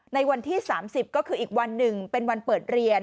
ในวันที่๓๐ก็คืออีกวันหนึ่งเป็นวันเปิดเรียน